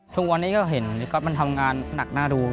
ทุกวันนี้ก็เห็นก๊อตมันทำงานหนักน่าดู